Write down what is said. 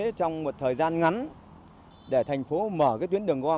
như thế trong một thời gian ngắn để thành phố mở tuyến đường